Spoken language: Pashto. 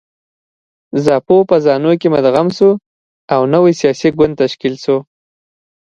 زاپو په زانو کې مدغم شو او نوی سیاسي ګوند تشکیل شو.